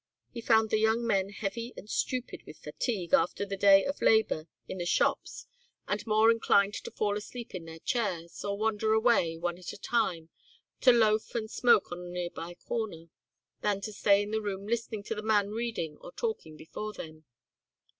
He found the young men heavy and stupid with fatigue after the day of labour in the shops and more inclined to fall asleep in their chairs, or wander away, one at a time, to loaf and smoke on a nearby corner, than to stay in the room listening to the man reading or talking before them.